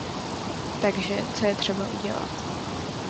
Takže co je třeba udělat?